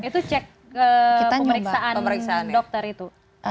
itu cek pemeriksaan dokter itu